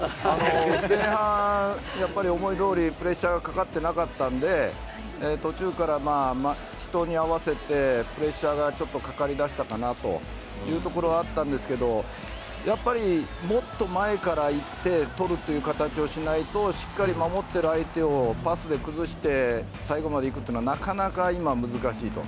前半、思いどおりにプレッシャーがかかっていなかったので途中から人に合わせてプレッシャーがちょっとかかり出したかなというところはあったんですけどやっぱり、もっと前から行って取るという形をしないとしっかり守っている相手をパスで崩して最後まで行くというのはなかなか今は難しいと。